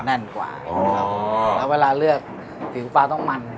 แน่นกว่าแล้วเวลาเลือกสีฟ้าต้องมัน